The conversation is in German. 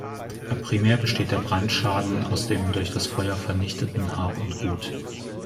Primär besteht der Brandschaden aus dem durch das Feuer vernichteten Hab und Gut.